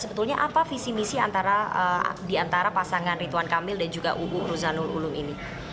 sebetulnya apa visi misi antara pasangan rituan kamil dan juga uu ruzanul ulum ini